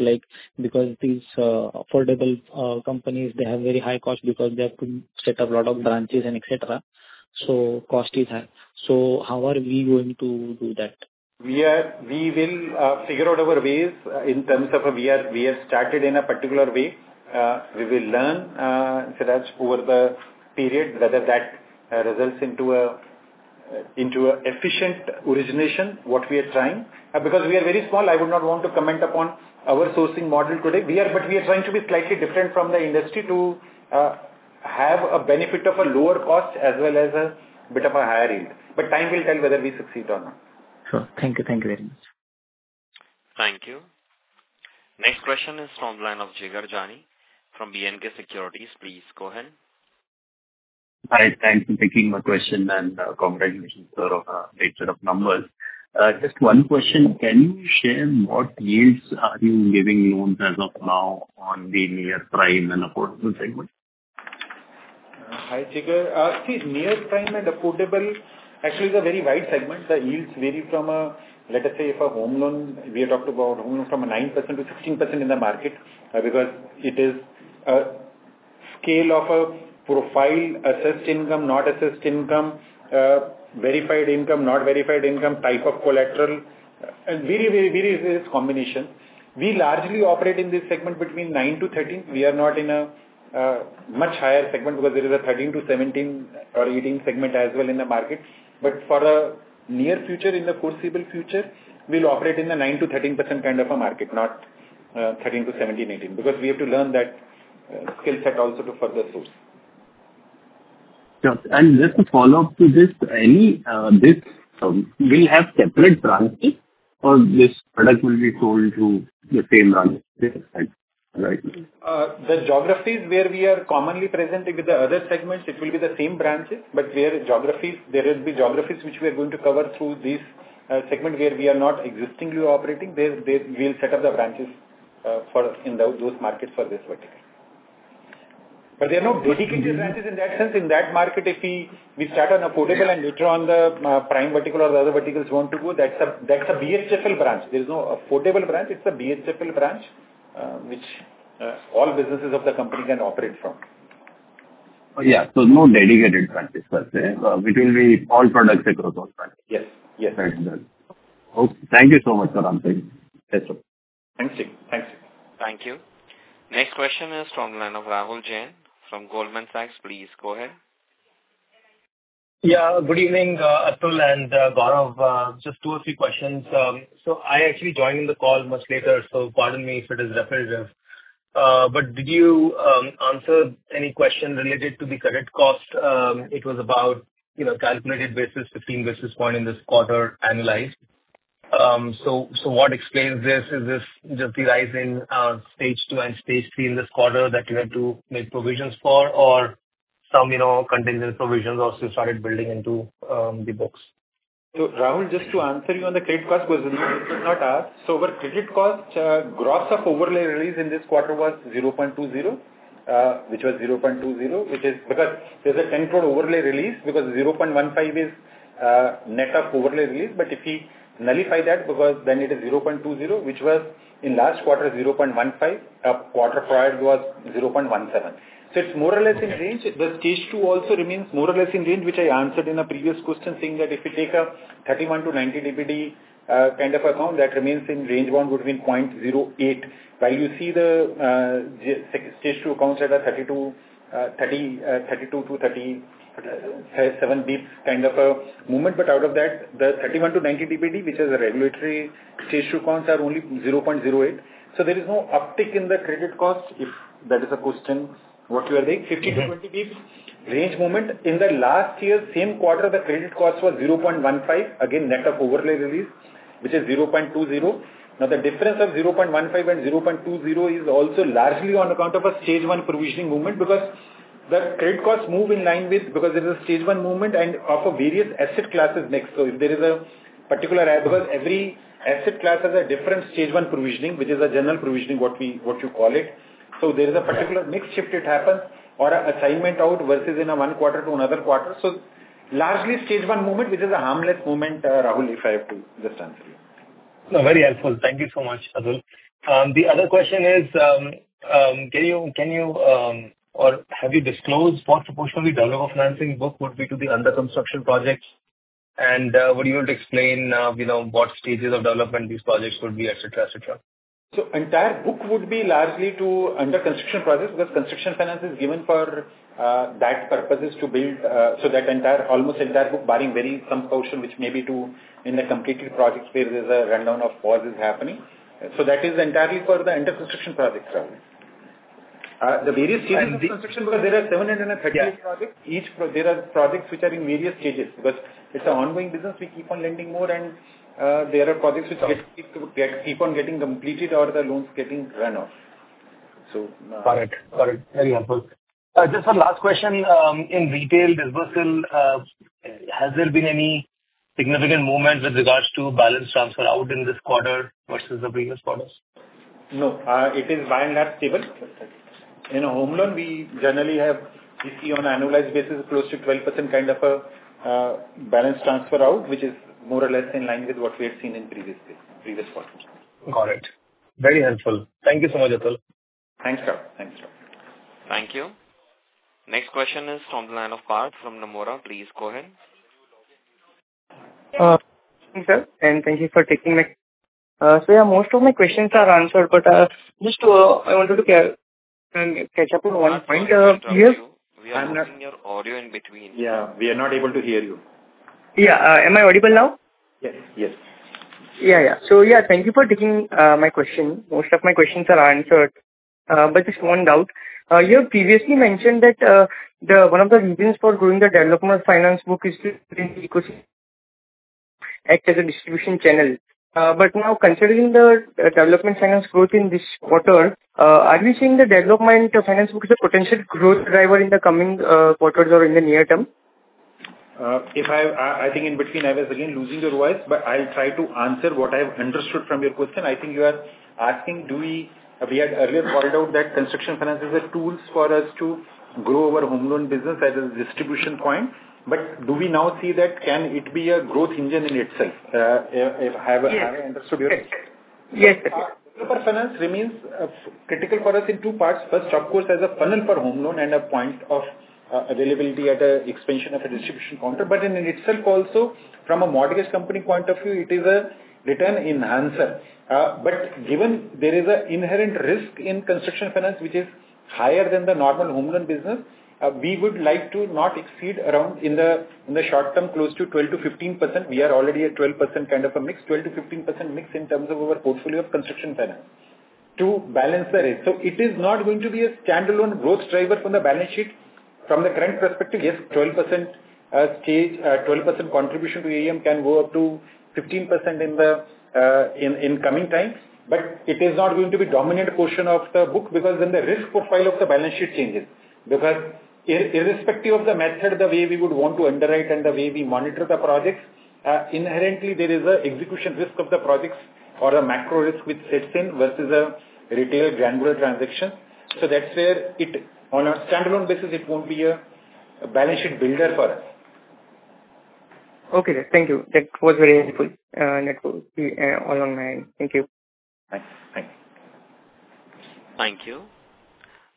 Because these affordable companies, they have very high cost because they have to set up a lot of branches and etc. So cost is high. So how are we going to do that? We will figure out our ways in terms of we have started in a particular way. We will learn, Siraj, over the period, whether that results into an efficient origination, what we are trying. Because we are very small, I would not want to comment upon our sourcing model today. But we are trying to be slightly different from the industry to have a benefit of a lower cost as well as a bit of a higher yield. But time will tell whether we succeed or not. Sure. Thank you. Thank you very much. Thank you. Next question is from the line of Jigar Jani from B&K Securities. Please go ahead. Hi. Thanks for taking my question and congratulations for the set of numbers. Just one question. Can you share what yields are you giving loans as of now on the near prime and affordable segment? Hi, Jigar. See, near prime and affordable actually is a very wide segment. The yields vary from a, let us say, if a home loan, we have talked about home loan from a 9%-16% in the market because it is a scale of a profile, assessed income, not assessed income, verified income, not verified income, type of collateral, and very, very various combinations. We largely operate in this segment between 9%-13%. We are not in a much higher segment because there is a 13%-17% or 18% segment as well in the market. But for the near future, in the foreseeable future, we'll operate in the 9%-13% kind of a market, not 13%-17%, 18%, because we have to learn that skill set also to further source. Yes. And just to follow up to this, will we have separate branches or this product will be sold through the same branches? The geographies where we are commonly present with the other segments, it will be the same branches, but where geographies, there will be geographies which we are going to cover through this segment where we are not existingly operating. We'll set up the branches in those markets for this vertical. But there are no dedicated branches in that sense. In that market, if we start on affordable and later on the prime vertical or the other verticals want to go, that's a BHFL branch. There is no affordable branch. It's a BHFL branch which all businesses of the company can operate from. Yeah, so no dedicated branches, per se, which will be all products across those branches. Yes. Yes. Thank you so much for answering. Thanks, Jigar. Thanks, Jigar. Thank you. Next question is from the line of Rahul Jain from Goldman Sachs. Please go ahead. Yeah. Good evening, Atul and Gaurav. Just two or three questions. So I actually joined the call much later, so pardon me if it is repetitive. But did you answer any question related to the credit cost? It was about 15 basis points in this quarter annualized. So what explains this? Is this just the rise in stage two and stage three in this quarter that you had to make provisions for, or some contingent provisions also started building into the books? So, Rahul, just to answer you on the credit cost, because you did not ask, so over credit cost, gross of overlay release in this quarter was 0.20%, which was 0.20%, which is because there's an 10 crore overlay release because 0.15% is net of overlay release. But if we nullify that, then it is 0.20%, which was in last quarter 0.15%. A quarter prior was 0.17%. So it's more or less in range. The stage two also remains more or less in range, which I answered in a previous question, saying that if you take a 31 to 90 DPD kind of account, that remains in range bound between 0.08%. While you see the stage two accounts at a 32 to 37 beeps kind of a movement. But out of that, the 31 to 90 DPD, which is a regulatory stage two accounts, are only 0.08%. So, there is no uptick in the credit cost, if that is a question, what you are saying, 15-20 beeps range movement. In the last year, same quarter, the credit cost was 0.15, again, net of overlay release, which is 0.20. Now, the difference of 0.15 and 0.20 is also largely on account of a stage one provisioning movement because the credit costs move in line with because there is a stage one movement and of various asset classes mix. So if there is a particular because every asset class has a different stage one provisioning, which is a general provisioning, what you call it. So there is a particular mix shift it happens or an assignment out versus in a one quarter to another quarter. So largely stage one movement, which is a harmless movement, Rahul, if I have to just answer you. No, very helpful. Thank you so much, Atul. The other question is, can you or have you disclosed what proportion of the developer financing book would be to the under-construction projects? And would you be able to explain what stages of development these projects would be, etc., etc.? The entire book would be largely to under-construction projects because construction finance is given for that purpose to build so that entire almost entire book barring very some portion, which may be to in the completed project phase. There's a rundown of what is happening. That is entirely for the under-construction projects, Rahul. The various stages of under-construction because there are 738 projects. There are projects which are in various stages because it's an ongoing business. We keep on lending more, and there are projects which keep on getting completed or the loans getting run off. Got it. Got it. Very helpful. Just one last question. In retail disbursal, has there been any significant movement with regards to balance transfer out in this quarter versus the previous quarters? No. It is by and large stable. In a home loan, we generally have, if you see on an annualized basis, close to 12% kind of a balance transfer out, which is more or less in line with what we had seen in previous quarters. Got it. Very helpful. Thank you so much, Atul. Thanks, sir. Thanks, sir. Thank you. Next question is from the line of Bharath from Nomura. Please go ahead. Thank you, sir. And thank you for taking my question. So yeah, most of my questions are answered, but just I wanted to catch up on one point. We are losing your audio in between. Yeah. We are not able to hear you. Yeah. Am I audible now? Yes. Yes. Yeah. So yeah, thank you for taking my question. Most of my questions are answered. But just one doubt. You have previously mentioned that one of the reasons for growing the developer finance book is to act as a distribution channel. But now, considering the developer finance growth in this quarter, are you saying the developer finance book is a potential growth driver in the coming quarters or in the near term? I think in between, I was again losing your voice, but I'll try to answer what I've understood from your question. I think you are asking, do we had earlier pointed out that construction finance is a tool for us to grow our home loan business as a distribution point. But do we now see that can it be a growth engine in itself? Have I understood your question? Yes. Developer finance remains critical for us in two parts. First, of course, as a funnel for home loan and a point of availability at an expansion of a distribution counter, but in itself, also from a mortgage company point of view, it is a return enhancer, but given there is an inherent risk in construction finance, which is higher than the normal home loan business, we would like to not exceed around in the short term close to 12%-15%. We are already at 12% kind of a mix, 12%-15% mix in terms of our portfolio of construction finance to balance the risk. So it is not going to be a standalone growth driver from the balance sheet. From the current perspective, yes, 12% contribution to AUM can go up to 15% in the incoming time. But it is not going to be a dominant portion of the book because then the risk profile of the balance sheet changes. Because irrespective of the method, the way we would want to underwrite and the way we monitor the projects, inherently, there is an execution risk of the projects or a macro risk which sets in versus a retail granular transaction. So that's where it on a standalone basis, it won't be a balance sheet builder for us. Okay. Thank you. That was very helpful. That was all on my end. Thank you. Thanks. Thanks. Thank you.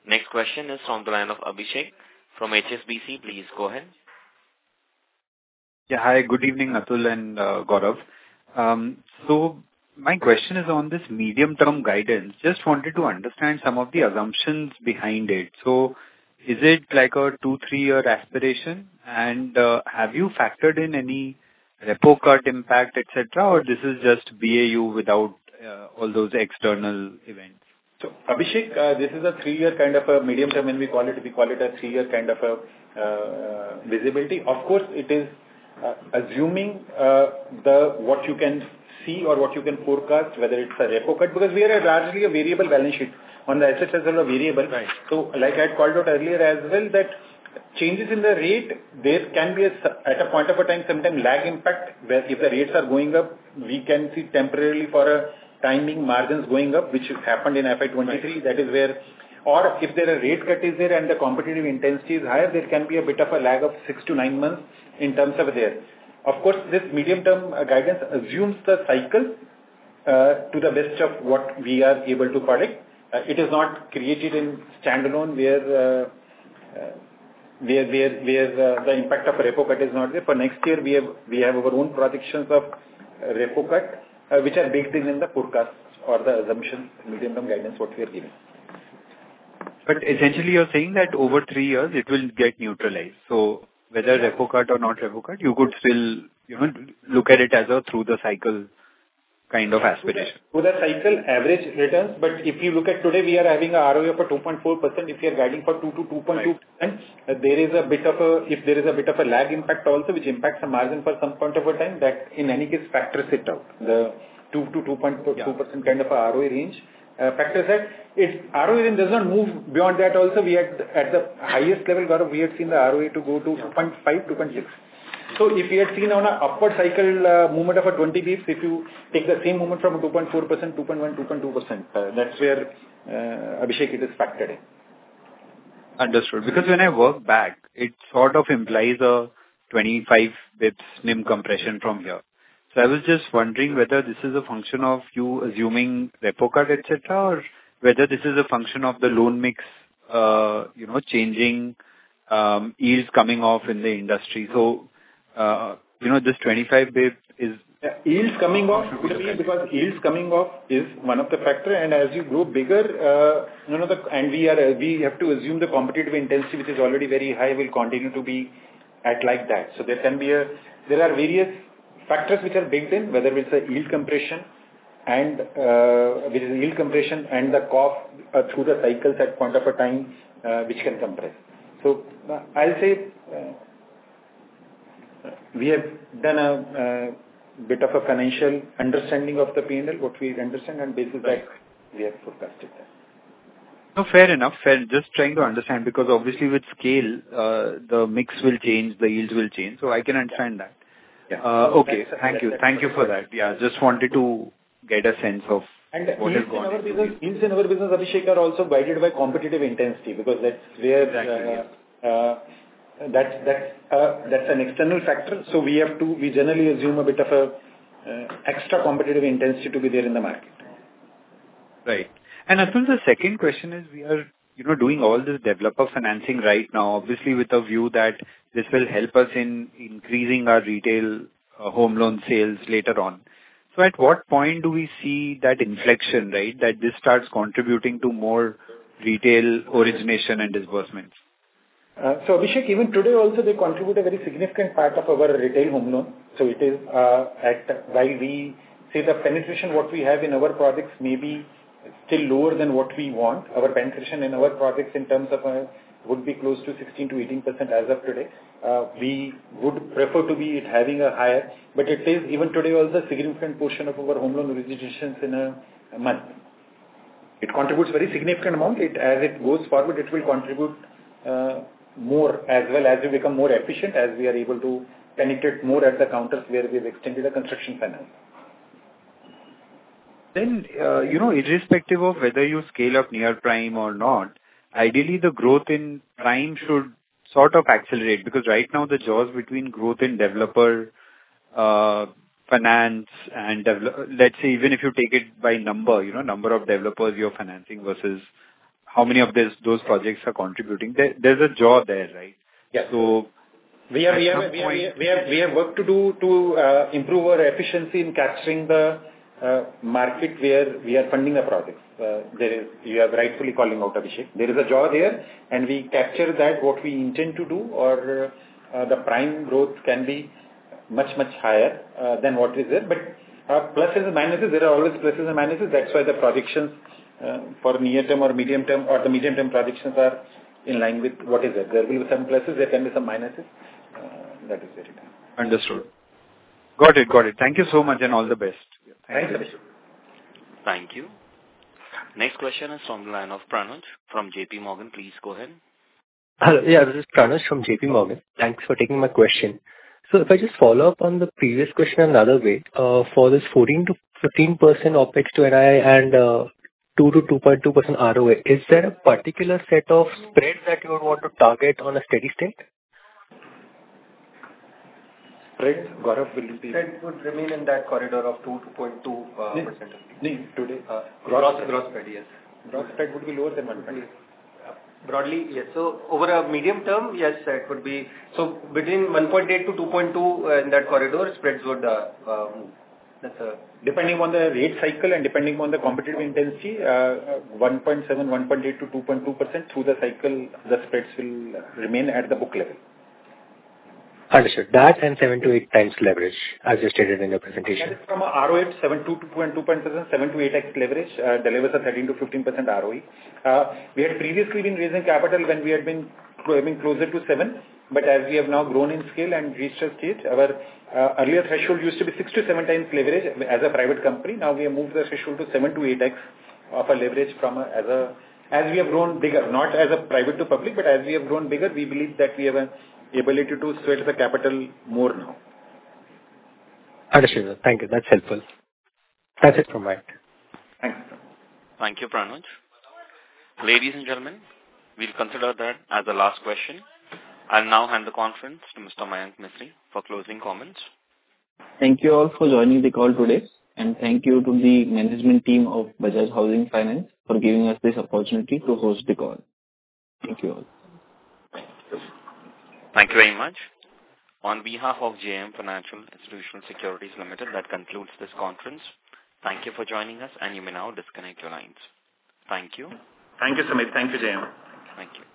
Next question is from the line of Abhishek from HSBC. Please go ahead. Yeah. Hi. Good evening, Atul and Gaurav. My question is on this medium-term guidance. Just wanted to understand some of the assumptions behind it. Is it like a two, three-year aspiration? And have you factored in any repo cut impact, etc., or this is just BAU without all those external events? Abhishek, this is a three-year kind of a medium term, and we call it a three-year kind of a visibility. Of course, it is assuming what you can see or what you can forecast, whether it's a repo cut, because we are largely a variable balance sheet on the assets as well variable. Like I had called out earlier as well, that changes in the rate, there can be at a point of a time, sometimes lag impact, where if the rates are going up, we can see temporarily for a timing margins going up, which happened in FY23. That is where, or if there are rate cut is there and the competitive intensity is higher, there can be a bit of a lag of six-to-nine months in terms of there. Of course, this medium-term guidance assumes the cycle to the best of what we are able to predict. It is not created in standalone where the impact of a repo cut is not there. For next year, we have our own predictions of repo cut, which are baked in in the forecast or the assumptions, medium-term guidance, what we are giving. But essentially, you're saying that over three years, it will get neutralized. So whether repo cut or not repo cut, you could still look at it as a through-the-cycle kind of aspiration. Through the cycle, average returns. But if you look at today, we are having an ROE of 2.4%. If you're guiding for 2%-2.2%, there is a bit of a lag impact also, which impacts the margin for some point of a time, that in any case, factors it out, the 2%-2.2% kind of an ROE range. Factors that ROE does not move beyond that. Also, we had at the highest level, Gaurav, we had seen the ROE to go to 2.5, 2.6. So if we had seen on an upward cycle movement of 20 beeps, if you take the same movement from 2.4%, 2.1, 2.2%, that's where Abhishek it is factored in. Understood. Because when I work back, it sort of implies a 25 basis points NIM compression from here. So I was just wondering whether this is a function of you assuming repo cut, etc., or whether this is a function of the loan mix changing, yields coming off in the industry. So this 25 basis points is. Yields coming off would be because yields coming off is one of the factors, and as you grow bigger, and we have to assume the competitive intensity, which is already very high, will continue to be at like that, so there are various factors which are baked in, whether it's a yield compression, and with yield compression and the cost through the cycles at a point in time, which can compress, so I'll say we have done a bit of a financial understanding of the P&L, what we understand, and based on that, we have forecasted that. No, fair enough. Fair. Just trying to understand because obviously, with scale, the mix will change, the yields will change. So I can understand that. Okay. Thank you. Thank you for that. Yeah. Just wanted to get a sense of what is going on. Yields in our business, Abhishek, are also guided by competitive intensity because that's where that's an external factor. We generally assume a bit of an extra competitive intensity to be there in the market. Right. And Atul, the second question is we are doing all this developer financing right now, obviously, with a view that this will help us in increasing our retail home loan sales later on. So at what point do we see that inflection, right, that this starts contributing to more retail origination and disbursements? So Abhishek, even today, also, they contribute a very significant part of our retail home loan. So it is at while we see the penetration, what we have in our projects may be still lower than what we want. Our penetration in our projects in terms of would be close to 16%-18% as of today. We would prefer to be having a higher. But it is even today, also, a significant portion of our home loan originations in a month. It contributes a very significant amount. As it goes forward, it will contribute more as well as we become more efficient, as we are able to penetrate more at the counters where we have extended the construction finance. Then, irrespective of whether you scale up near prime or not, ideally, the growth in prime should sort of accelerate because right now, the jaws between growth in developer finance and let's say, even if you take it by number, number of developers you're financing versus how many of those projects are contributing, there's a jaw there, right? Yes. We have work to do to improve our efficiency in capturing the market where we are funding the projects. You are rightfully calling out, Abhishek. There is a gap there, and we capture that what we intend to do, or the prime growth can be much, much higher than what is there. But pluses and minuses, there are always pluses and minuses. That's why the projections for near-term or medium-term or the medium-term projections are in line with what is there. There will be some pluses, there can be some minuses. That is it. Understood. Got it. Got it. Thank you so much and all the best. Thank you. Thank you. Next question is from the line of Prakhar from JP Morgan. Please go ahead. Hello. Yeah. This is Prakhar from JP Morgan. Thanks for taking my question. So if I just follow up on the previous question another way, for this 14%-15% OPEX to NII and 2%-2.2% ROE, is there a particular set of spreads that you would want to target on a steady state? Spread? Gaurav, will you be? Spread would remain in that corridor of 2%-2.2%. NIM today? Gross spread, yes. Gross spread would be lower than 1.8%. Broadly, yes. So over a medium term, yes, it would be so between 1.8%-2.2% in that corridor, spreads would move. That's. Depending on the rate cycle and depending on the competitive intensity, 1.7%-1.8% to 2.2% through the cycle, the spreads will remain at the book level. Understood. That and seven to eight times leverage, as you stated in your presentation. That is from ROE at 7%-22%, 7-8x leverage. The levers are 13%-15% ROE. We had previously been raising capital when we had been closer to 7, but as we have now grown in scale and reached a stage. Our earlier threshold used to be 6-7 times leverage as a private company. Now we have moved the threshold to 7-8x of a leverage as we have grown bigger. Not as a private to public, but as we have grown bigger, we believe that we have an ability to sweat the capital more now. Understood. Thank you. That's helpful. That's it from my end. Thanks. Thank you, Prakhar. Ladies and gentlemen, we'll consider that as the last question. I'll now hand the conference to Mr. Mayank Mistry for closing comments. Thank you all for joining the call today. Thank you to the management team of Bajaj Housing Finance for giving us this opportunity to host the call. Thank you all. Thank you very much. On behalf of JM Financial Institutional Securities Limited, that concludes this conference. Thank you for joining us, and you may now disconnect your lines. Thank you. Thank you, Sameer. Thank you, JM. Thank you.